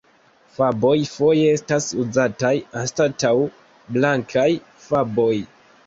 Faboj foje estas uzataj anstataŭ blankaj faboj.